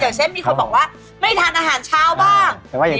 เช่นมีคนบอกว่าไม่ทานอาหารเช้าบ้าง